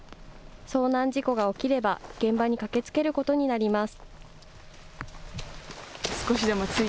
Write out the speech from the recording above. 遭難事故が起きれば、現場に駆けつけることになります。